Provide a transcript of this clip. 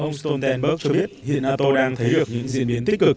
ông stoltenberg cho biết hiện nato đang thấy được những diễn biến tích cực